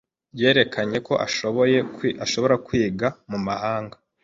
Yerekanye ko ashobora kwiga mu mahanga.